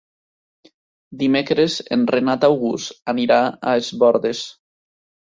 Dimecres en Renat August anirà a Es Bòrdes.